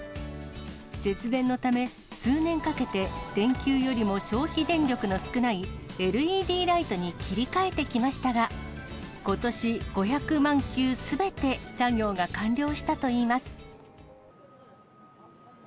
節電のため、数年かけて、電球よりも消費電力の少ないＬＥＤライトに切り替えてきましたが、ことし、５００万球すべて作業が完了したといいます。